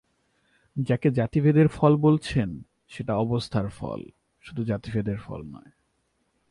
যাকে জাতিভেদের ফল বলছেন সেটা অবস্থার ফল, শুধু জাতিভেদের নয়।